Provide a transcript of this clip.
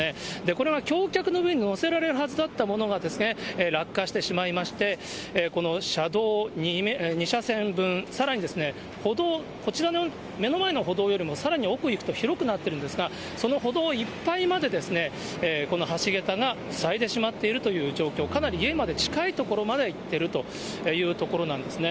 これが橋脚の上に載せられるはずだったものが落下してしまいまして、この車道２車線分、さらに歩道、こちらの目の前の歩道よりも、さらに奥行くと広くなっているんですが、その歩道いっぱいまで、この橋桁が塞いでしまっているという状況、かなり家まで近い所までいっているというところなんですね。